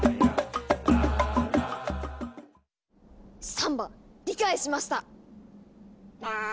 サンバ理解しました！